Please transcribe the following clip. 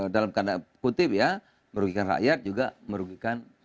dalam kata kutip ya merugikan rakyat juga merugikan rakyat